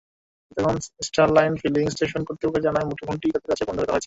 তখন Starline filling station কর্তৃপক্ষ জানায়, মুঠোফোনটি তাঁদের কাছে বন্ধক রাখা হয়েছে।